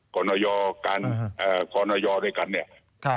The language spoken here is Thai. กรอยอ่อการอ่ากรอยอ่อในการเนี่ยครับ